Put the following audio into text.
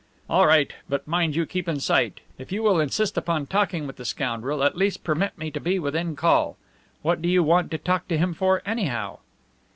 "All right. But mind you keep in sight! If you will insist upon talking with the scoundrel, at least permit me to be within call. What do you want to talk to him for, anyhow?"